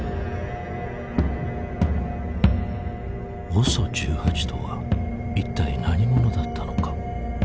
ＯＳＯ１８とは一体何者だったのか。